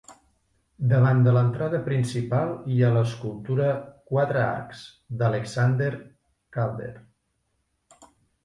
Davant de l'entrada principal hi ha l'escultura "Quatre arcs" d'Alexander Calder.